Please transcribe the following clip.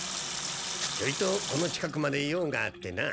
ちょいとこの近くまで用があってな。